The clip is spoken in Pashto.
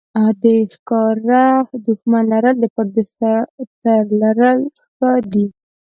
د ښکاره دښمن لرل د پټ دوست تر لرل ښه دي.